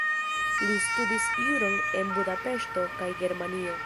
Li studis juron en Budapeŝto kaj Germanio.